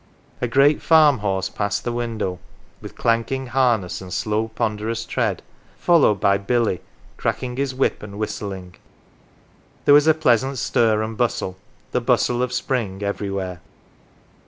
A great farm horse passed the window, with clanking harness and slow, ponderous tread, followed by Billy, cracking his whip and whistling. 'There was a pleasant stir arid bustle the bustle of spring everywhere.